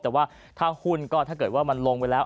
แต่ว่าถ้าหุ้นก็ถ้าเกิดว่ามันลงไปแล้ว